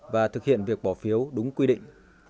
và thực hiện việc bỏ phiếu đúng quy định